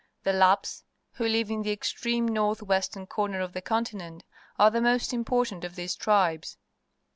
The Lapps, who live in the extreme north western corner of the continent, are the most important of these tribes.